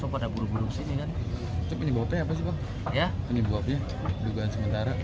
penyebabnya dugaan sementara